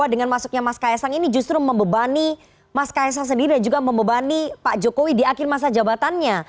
dengan masuknya mas kaisang ini justru membebani mas kaisang sendiri dan juga membebani pak jokowi di akhir masa jabatannya